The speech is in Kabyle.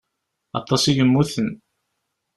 Aṭas i yemmuten.